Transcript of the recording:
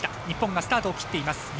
日本がスタートを切っています。